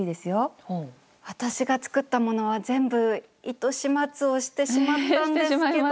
私が作ったものは全部糸始末をしてしまったんですけど。